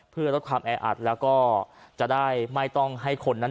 เพื่อลดความแออัดแล้วก็จะได้ไม่ต้องให้คนนั้น